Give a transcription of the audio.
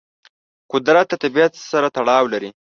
قدرت د طبیعت سره تړاو لري.